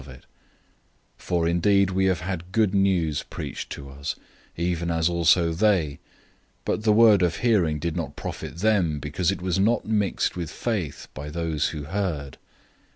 004:002 For indeed we have had good news preached to us, even as they also did, but the word they heard didn't profit them, because it wasn't mixed with faith by those who heard.